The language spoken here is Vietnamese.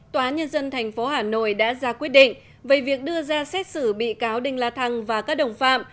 tòa nhân dân tp hà nội đã ra quyết định về việc đưa ra xét xử bị cáo đinh la thăng và các đồng phạm